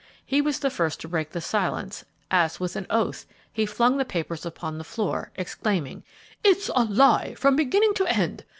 He was the first to break the silence, as, with an oath, he flung the papers upon the floor, exclaiming, "It is a lie from beginning to end!